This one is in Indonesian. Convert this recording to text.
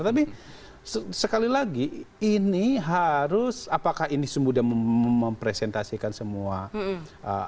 tapi sekali lagi ini harus apakah ini sudah mempresentasikan semua ee